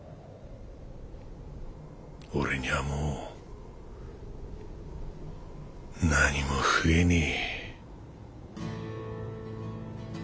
俺にはもうなにも増えねえ。